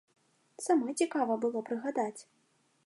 Самой цікава было прыгадаць.